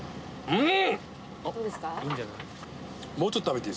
うん。